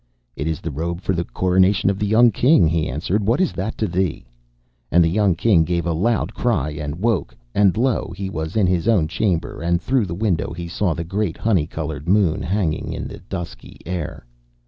'It is the robe for the coronation of the young King,' he answered; 'what is that to thee?' And the young King gave a loud cry and woke, and lo! he was in his own chamber, and through the window he saw the great honey coloured moon hanging in the dusky air.